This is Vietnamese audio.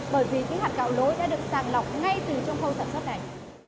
bởi vì cái hạt gạo lối đã được sàng lọc ngay từ trong khâu sản xuất này